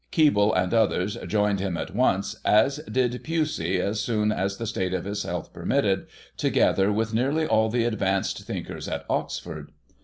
'* Keble and others joined him at once, as did Pusey as soon as the state of his health permitted, together with nearly all the advanced thinkers at Oxford.